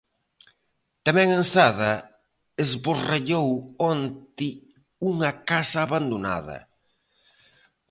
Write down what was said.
Tamén en Sada esborrallou onte unha casa abandonada.